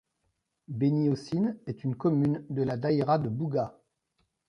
Beni Hocine est une commune de la Daïra de Bougaa.